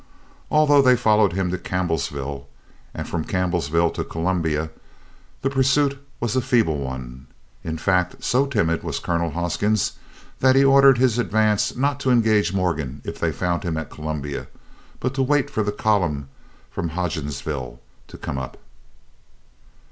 Although they followed him to Campbellsville, and from Campbellsville to Columbia, the pursuit was a feeble one. In fact, so timid was Colonel Hoskins that he ordered his advance not to engage Morgan if they found him at Columbia, but to wait for the column from Hodgensville to come up.